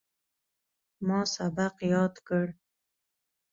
ما سبق یاد کړ.